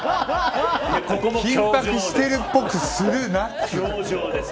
緊迫してるっぽくするなって。